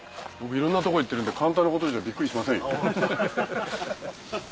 いろんなとこ行ってるんで簡単なことじゃビックリしませんよ。